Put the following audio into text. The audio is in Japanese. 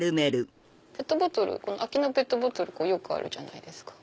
空きのペットボトルよくあるじゃないですか。